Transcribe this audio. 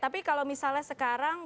tapi kalau misalnya sekarang